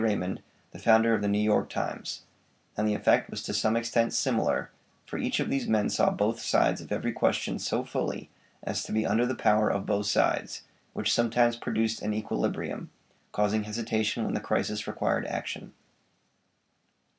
Raymond, the founder of the New York Times; and the effect was to some extent similar, for each of these men saw both sides of every question so fully as to be under the power of both sides, which sometimes produced an equilibrium, causing hesitation when the crisis required action.